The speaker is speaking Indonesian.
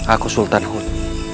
aku sultan hud